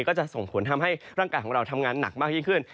ก็จะส่งผลทำให้ร่างกายของเราทำงานหนักมากยิ่งขึ้น